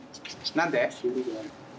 何で？